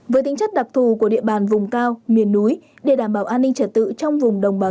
với tính chất đặc thù của địa bàn vùng cao miền núi để đảm bảo an ninh trật tự trong vùng đồng bào